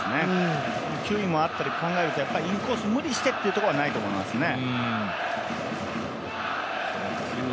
球威もあったり考えるとインコース無理してっていうのはないと思いますね。